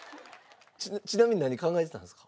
ちなみに何考えてたんですか？